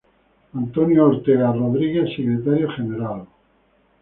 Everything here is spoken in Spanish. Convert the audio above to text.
Antonio Orta Rodríguez, Secretario General.